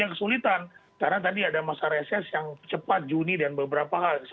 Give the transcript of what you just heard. yang mau menganjurkan anggaran agar segera dibahas dan yang di putuskan juga beberapa pkpu blokasi